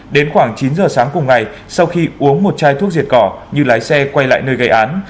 đến khoảng chín giờ sáng cùng ngày sau khi uống một chai thuốc diệt cỏ như lái xe quay lại nơi gây án